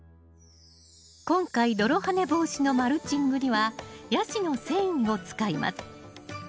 今回泥はね防止のマルチングにはヤシの繊維を使います。